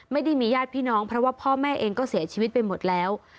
ไม่ได้มีญาติพี่น้องเพราะว่าพ่อแม่เองก็เสียชีวิตไปหมดแล้ว